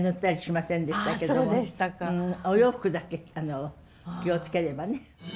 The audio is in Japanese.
お洋服だけ気を付ければね。